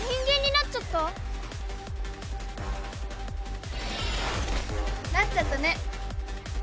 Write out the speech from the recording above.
なっちゃったね。